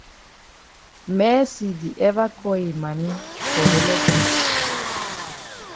Mercy di ever call yi mami for helep yi.